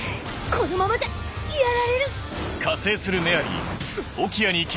このままじゃやられる